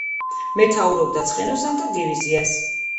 მეთაურობდა ცხენოსანთა დივიზიას.